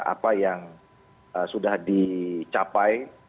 apa yang sudah dicapai